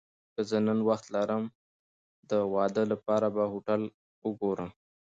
که زه نن وخت ولرم، د واده لپاره به هوټل وګورم.